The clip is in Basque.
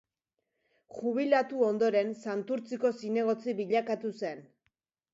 Jubilatu ondoren, Santurtziko zinegotzi bilakatu zen.